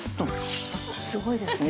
すごいですね。